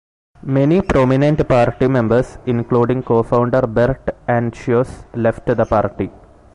Many prominent party members, including cofounder Bert Anciaux, left the party.